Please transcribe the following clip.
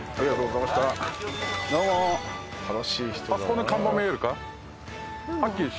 あそこの看板見えるか？